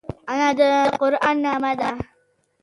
انا د قرآن نغمه ده